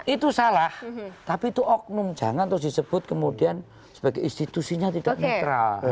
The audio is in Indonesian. itu salah tapi itu oknum jangan terus disebut kemudian sebagai institusinya tidak netral